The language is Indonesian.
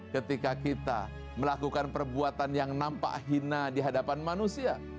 ketika kita melakukan perbuatan yang nampak hina di hadapan manusia